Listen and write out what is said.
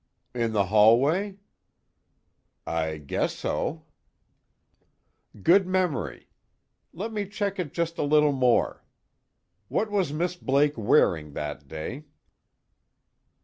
"In the hallway?" "I guess so." "Good memory. Let me check it just a little more. What was Miss Blake wearing that day?"